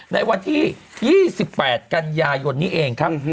ในวันที่๒๘กันยายนนี้เองครับ